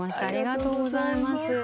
ありがとうございます。